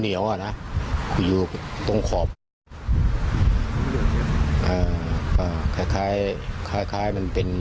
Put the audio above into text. อ่ะนะอยู่ตรงขอบอ่าก็คล้ายคล้ายคล้ายคล้ายมันเป็น